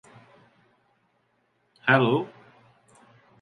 These never came to fruition.